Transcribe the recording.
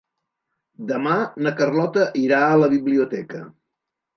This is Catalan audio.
Demà na Carlota irà a la biblioteca.